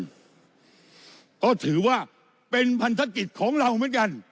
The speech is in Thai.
ก็ถือว่าเป็นพันธกิจของเราเหมือนกัน